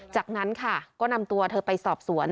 จากนั้นค่ะก็นำตัวเธอไปสอบสวน